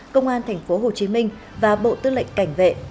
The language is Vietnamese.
công an thành phố hồ chí minh và bộ tư lệnh cảnh vệ